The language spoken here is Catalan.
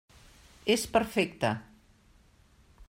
És perfecta.